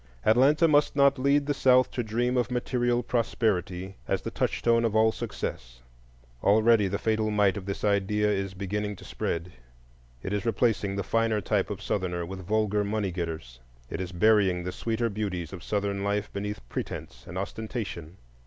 Atlanta must not lead the South to dream of material prosperity as the touchstone of all success; already the fatal might of this idea is beginning to spread; it is replacing the finer type of Southerner with vulgar money getters; it is burying the sweeter beauties of Southern life beneath pretence and ostentation.